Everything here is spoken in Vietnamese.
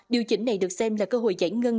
điều chỉnh này được xem là cơ hội giải ngân